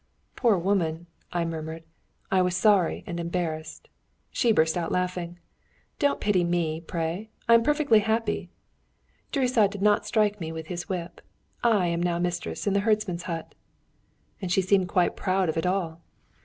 "Poor woman!" I murmured. I was sorry and embarrassed. She burst out laughing. "Don't pity me, pray! I am perfectly happy. Gyuricza did not strike me with his whip. I am now mistress in the herdsman's hut." And she seemed quite proud of it all!